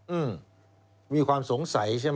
อืมมีความสงสัยใช่ไหม